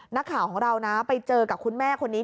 นักข่าวของเรานะไปเจอกับคุณแม่คนนี้